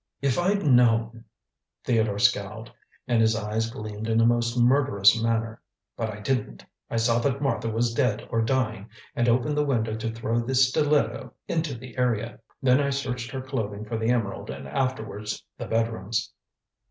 "If I'd known," Theodore scowled, and his eyes gleamed in a most murderous manner. "But I didn't. I saw that Martha was dead or dying, and opened the window to throw the stiletto into the area. Then I searched her clothing for the emerald and afterwards the bedrooms."